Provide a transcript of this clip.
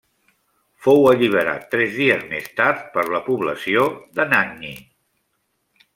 Fou alliberat tres dies més tard per la població d'Anagni.